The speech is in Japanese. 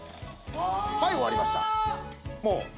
はい終わりました。